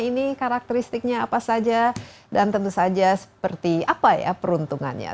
ini karakteristiknya apa saja dan tentu saja seperti apa ya peruntungannya